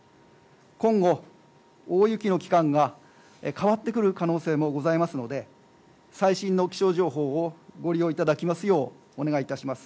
今後、大雪の期間が変わってくる可能性もありますので最新の気象情報をご利用いただきますようお願いいたします。